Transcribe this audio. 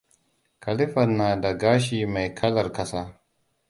Khalifat na da gashi mai kalar ƙasa.